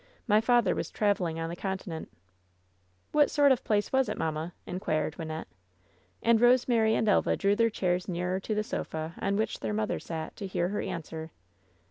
My father was traveling on the continent." "What sort of a place was it, mamma?" inquired Wynnette. And Eosemary and Elva drew their chairs nearer to the sofa on which their mother sat to hear her answer.